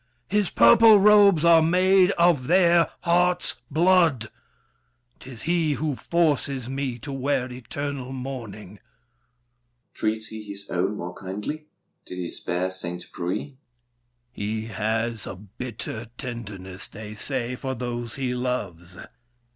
His purple robes are made Of their hearts' blood! 'Tis he who forces me To wear eternal mourning. DUKE DE BELLEGARDE. Treats he his own More kindly? Did he spare Saint Preuil? THE KING. He has A bitter tenderness, they say, for those He loves.